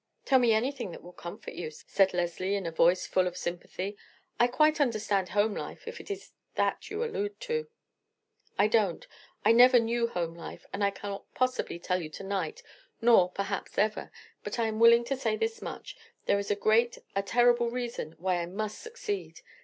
"Tell me anything that will comfort you," said Leslie in a voice full of sympathy. "I quite understand home life, if it is that you allude to." "I don't. I never knew home life, and I cannot possibly tell you to night, nor, perhaps, ever; but I am willing to say this much: There is a great, a terrible reason why I must succeed.